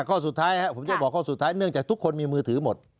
ข้อสุดท้ายผมจะบอกข้อสุดท้ายเนื่องจากทุกคนมีมือถือหมด